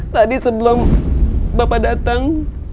tadi sebelum bapak dateng